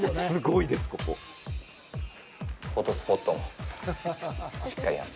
フォトスポットもしっかりある。